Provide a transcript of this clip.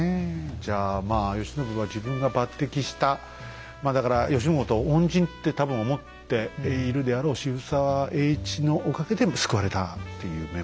じゃあまあ慶喜は自分が抜てきしたまあだから慶喜のことを恩人って多分思っているであろう渋沢栄一のおかげで救われたっていう面もあるんだね。